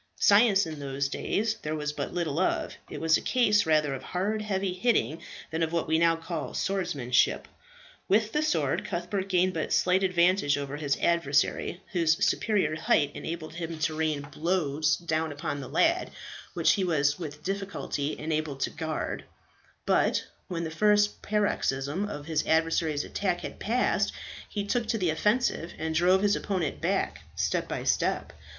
Science in those days there was but little of; it was a case rather of hard, heavy hitting, than of what we now call swordsmanship. With the sword Cuthbert gained but slight advantage over his adversary, whose superior height enabled him to rain blows down upon the lad, which he was with difficulty enabled to guard; but when the first paroxysm of his adversary's attack had passed, he took to the offensive, and drove his opponent back step by step.